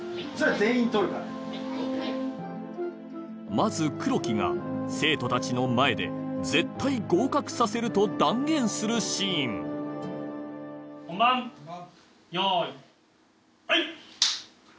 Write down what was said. まず黒木が生徒たちの前で絶対合格させると断言するシーン本番よいはい！